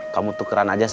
kamu tukeran aja sama aja